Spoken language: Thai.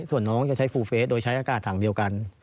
ส่วนน้องจะใช้ฟูเฟสโดยใช้อากาศถังเดียวกัน